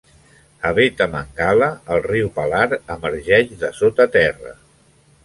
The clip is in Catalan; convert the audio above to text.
A Bethamangala el riu Palar emergeix de sota terra.